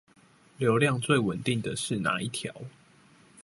流量最穩定的是那一條？